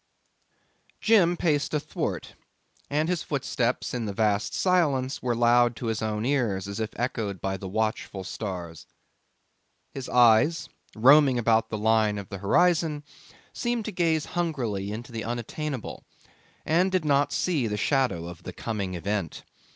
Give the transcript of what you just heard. Jim paced athwart, and his footsteps in the vast silence were loud to his own ears, as if echoed by the watchful stars: his eyes, roaming about the line of the horizon, seemed to gaze hungrily into the unattainable, and did not see the shadow of the coming event.